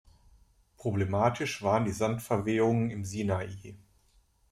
Problematisch waren die Sandverwehungen im Sinai.